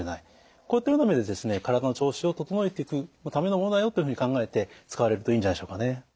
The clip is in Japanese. こういったような意味で体の調子を整えていくためのものだよというふうに考えて使われるといいんじゃないでしょうかね。